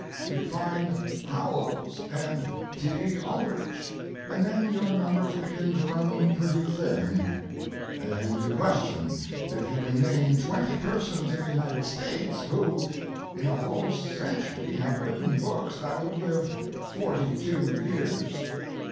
You find Howells and T. B. Aldrich, and then your numbers begin to run pretty thin, and you question if you can name twenty persons in the United States who—in a whole century have written books that would live forty two years.